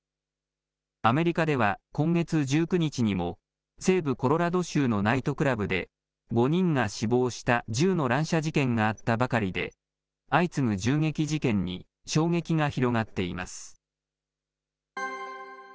アメリカでは今月１９日にも、西部コロラド州のナイトクラブで、５人が死亡した銃の乱射事件があったばかりで、相次ぐ銃撃事件に衝撃が広がっています。